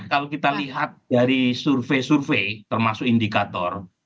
kalau kita lihat dari survei survei termasuk indikator